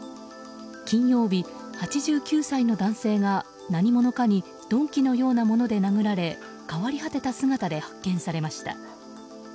金曜日、８９歳の男性が何者かに鈍器のようなもので殴られ変わり果てた姿で発見されました。